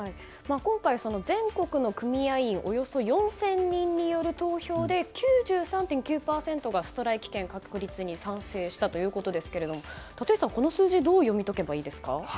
今回、全国の組合員およそ４０００人による投票で９３．９％がストライキ権確立に賛成したということですが立石さん、この数字どう読み解けばいいですか？